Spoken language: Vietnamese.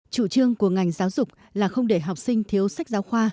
chủ trương của ngành giáo dục là không để học sinh thiếu sách giáo khoa